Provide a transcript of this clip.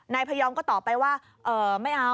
นายพยอมก็ตอบไปว่าเอ่อไม่เอา